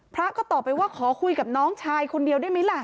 พระก็ตอบไปว่าขอคุยกับน้องชายคนเดียวได้ไหมล่ะ